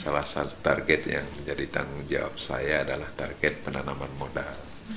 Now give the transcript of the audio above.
salah satu target yang menjadi tanggung jawab saya adalah target penanaman modal